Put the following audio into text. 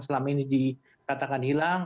selama ini dikatakan hilang